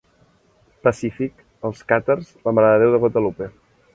Pacífic, els càtars, la marededéu de Guadalupe.